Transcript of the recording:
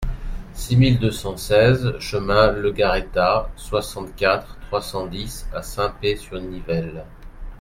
six mille deux cent seize chemin Legarreta, soixante-quatre, trois cent dix à Saint-Pée-sur-Nivelle